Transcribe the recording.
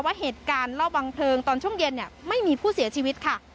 ว่าเหตุการณ์รอบวางเพลิงตอนช่วงเย็นไม่มีผู้เสียชีวิตค่ะ